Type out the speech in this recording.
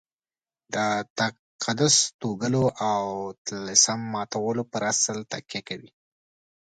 د تقدس توږلو او طلسم ماتولو پر اصل تکیه کوي.